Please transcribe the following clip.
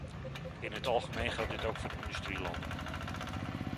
In het algemeen geldt dit ook voor de industrielanden.